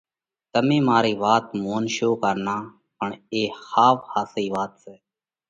تمي مارئي وات مونشو ڪا نان پڻ اي ۿاوَ ۿاسئي وات سئہ